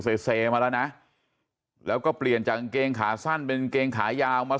เซมาแล้วนะแล้วก็เปลี่ยนจากกางเกงขาสั้นเป็นเกงขายาวมา